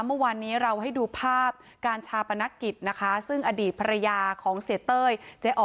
เมื่อวานนี้เราให้ดูภาพการชาปนกิจนะคะซึ่งอดีตภรรยาของเสียเต้ยเจ๊อ๋อ